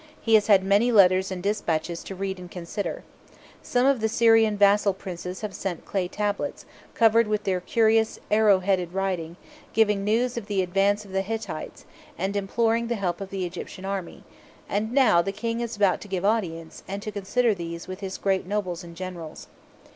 He has had many letters and despatches to read and consider. Some of the Syrian vassal princes have sent clay tablets, covered with their curious arrow headed writing, giving news of the advance of the Hittites, and imploring the help of the Egyptian army; and now the King is about to give audience, and to consider these with his great nobles and Generals.